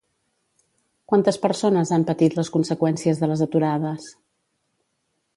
Quantes persones han patit les conseqüències de les aturades?